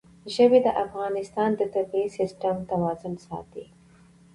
ژبې د افغانستان د طبعي سیسټم توازن ساتي.